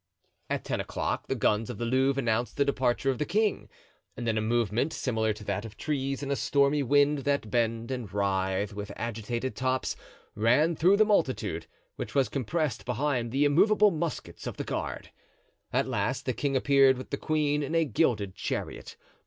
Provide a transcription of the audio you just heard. At ten o'clock the guns of the Louvre announced the departure of the king, and then a movement, similar to that of trees in a stormy wind that bend and writhe with agitated tops, ran though the multitude, which was compressed behind the immovable muskets of the guard. At last the king appeared with the queen in a gilded chariot.